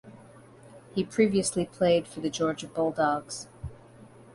He previously played for the Georgia Bulldogs.